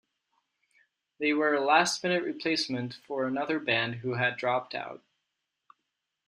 They were a last-minute replacement for another band who had dropped out.